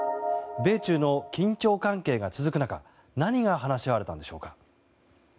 米中の緊張関係が続く中何が話し合われたんでしょうか。